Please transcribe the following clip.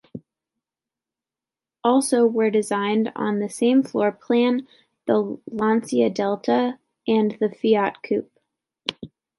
Also were designed on the same floorpan the Lancia Delta and the Fiat Coupe.